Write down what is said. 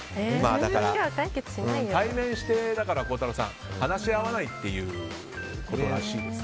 だから、対面して孝太郎さん話し合わないっていうことらしいです。